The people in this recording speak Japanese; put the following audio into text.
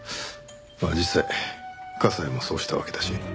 まあ実際加西もそうしたわけだし。